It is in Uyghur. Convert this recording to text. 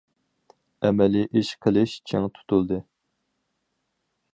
ئەمەلىي ئىش قىلىش چىڭ تۇتۇلدى.